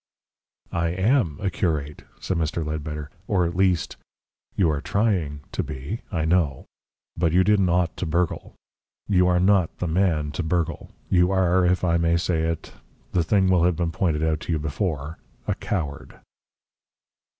"I AM a curate," said Mr. Ledbetter, "or, at least " "You are trying to be. I know. But you didn't ought to burgle. You are not the man to burgle. You are, if I may say it the thing will have been pointed out to you before a coward."